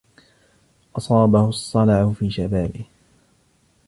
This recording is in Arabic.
أصابه الصلع في شبابه.